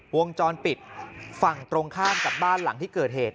วงจรปิดฝั่งตรงข้ามกับบ้านหลังที่เกิดเหตุ